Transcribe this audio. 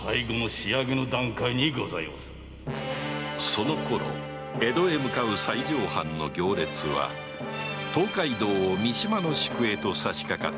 そのころ江戸へ向かう西条藩の行列は東海道を三島の宿へとさしかかっていた